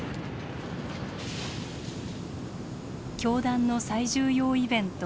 教団の最重要イベント